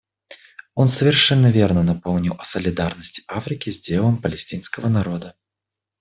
Он совершенно верно напомнил о солидарности Африки с делом палестинского народа.